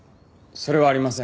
それはありません。